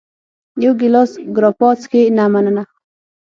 یو ګېلاس ګراپا څښې؟ نه، مننه.